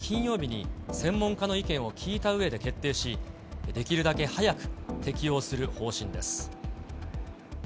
政府は、行動制限の緩和について、来週金曜日に専門家の意見を聞いたうえで決定し、できるだけ早く、適用する方針です。